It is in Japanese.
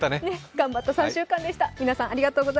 頑張った３週間でした。